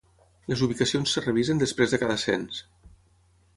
Les ubicacions es revisen després de cada cens.